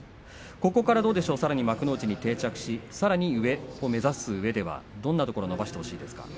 ここから幕内に定着してさらに上を目指すためにはどんなところを伸ばしてほしいですか。